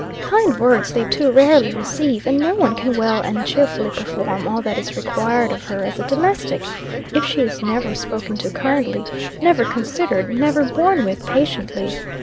Kind words they too rarely receive; and no one can well and cheerfully perform all that is required of her as a domestic, if she is never spoken to kindly, never considered never borne with, patiently.